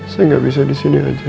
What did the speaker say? saya gak bisa disini aja